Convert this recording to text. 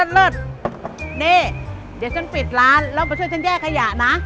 เลิศนี่เดี๋ยวฉันปิดร้านแล้วมาช่วยฉันแยกขยะนะ